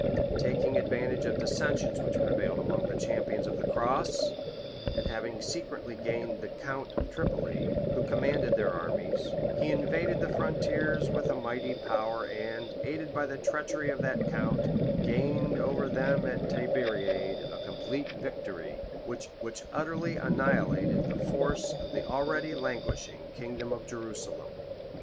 Taking advantage of dissensions which prevailed among the champions of the cross, and having secretly gained the count of Tripoli, who commanded their armies, he invaded the frontiers with a mighty power and, aided by the treachery of that count, gained over them at Tiberiade a complete victory, which utterly annihilated the force of the already languishing kingdom of Jerusalem {1187.